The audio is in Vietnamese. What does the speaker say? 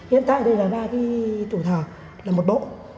hiện tại đây là ba cái tủ thờ là một bộ